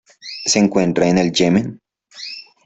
Se encuentra en el Yemen.